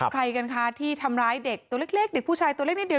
ใครกันคะที่ทำร้ายเด็กตัวเล็กเด็กผู้ชายตัวเล็กนิดเดียว